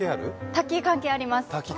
滝関係あります。